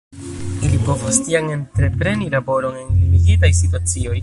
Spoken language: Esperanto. Ili povas tiam entrepreni laboron en limigitaj situacioj.